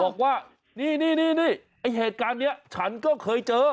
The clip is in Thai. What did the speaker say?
บอกว่านี่ไอ้เหตุการณ์นี้ฉันก็เคยเจอ